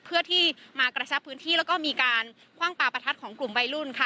เพื่อที่มากระชับพื้นที่แล้วก็มีการคว่างปลาประทัดของกลุ่มวัยรุ่นค่ะ